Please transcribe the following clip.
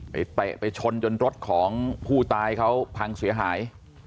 เตะไปชนจนรถของผู้ตายเขาพังเสียหาย